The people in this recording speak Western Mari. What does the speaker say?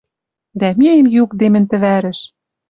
Дӓ миэм юкде мӹнь тӹ вӓрӹш.